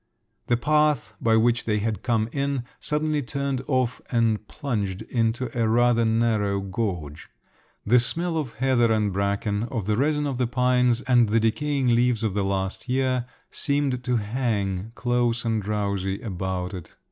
The path, by which they had come in, suddenly turned off and plunged into a rather narrow gorge. The smell of heather and bracken, of the resin of the pines, and the decaying leaves of last year, seemed to hang, close and drowsy, about it.